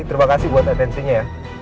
terima kasih buat atensinya ya